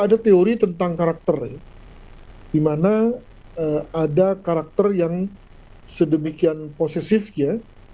ada teori tentang karakter di mana ada karakter yang sedemikian posesif ya